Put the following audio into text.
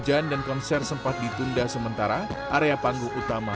saya mengakhiri saat jakarta fair untuk menonton konser di panggung utama